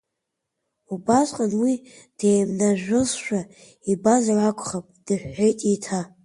Убасҟан уи деимнажәжәозшәа ибазар акәхап, дыҳәҳәеит еиҭа.